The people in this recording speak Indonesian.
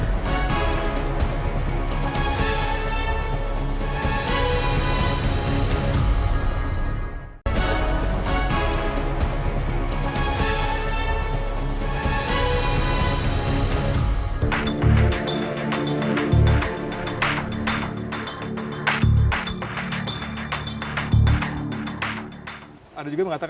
kita harus tukar pendapatnya